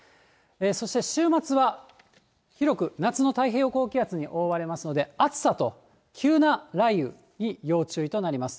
そして週末は、広く夏の太平洋高気圧に覆われますので、暑さと急な雷雨に要注意となります。